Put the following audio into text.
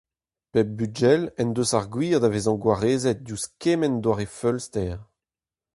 Pep bugel en deus ar gwir da vezañ gwarezet diouzh kement doare feulster.